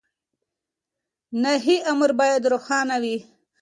نهي امر بايد روښانه وي.